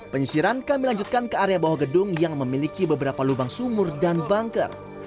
penyisiran kami lanjutkan ke area bawah gedung yang memiliki beberapa lubang sumur dan bangker